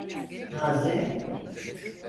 Taze…